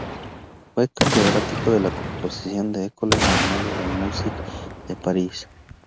Fue catedrático de composición de la École Normale de Musique de Paris.